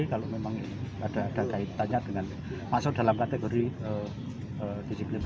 kalau memang ada kaitannya dengan masuk dalam kategori disiplin